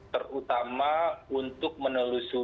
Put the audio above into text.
terutama untuk menelusurkan